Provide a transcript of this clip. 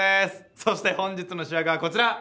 そして本日の主役はこちら！